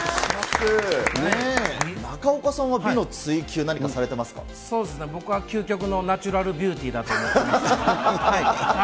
中岡さんは美の追求、何かさそうですね、僕は究極のナチュラルビューティーだと思ってます。